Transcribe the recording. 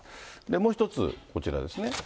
もう１つ、こちらですね。